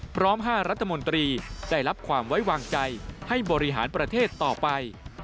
๕รัฐมนตรีได้รับความไว้วางใจให้บริหารประเทศต่อไป